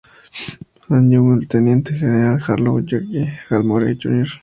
And Young" del teniente general Harold Gregory "Hal" Moore, Jr.